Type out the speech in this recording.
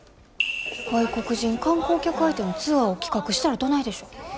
外国人観光客相手のツアーを企画したらどないでしょう？